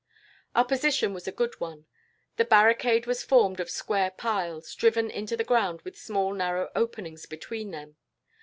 "Our position was a good one. The barricade was formed of square piles, driven into the ground with small narrow openings between them.